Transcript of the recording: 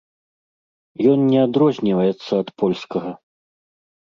Ён не адрозніваецца ад польскага.